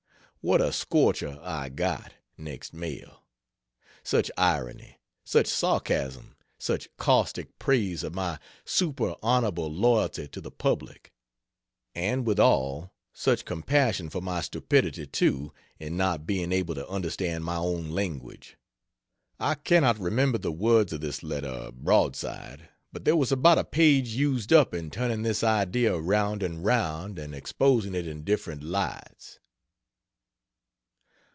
What a scorcher I got, next mail! Such irony! such sarcasm, such caustic praise of my superhonorable loyalty to the public! And withal, such compassion for my stupidity, too, in not being able to understand my own language. I cannot remember the words of this letter broadside, but there was about a page used up in turning this idea round and round and exposing it in different lights.